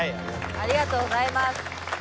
ありがとうございます。